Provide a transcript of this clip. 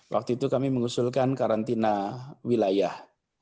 waktu itu kami mengusulkan karantina wilayah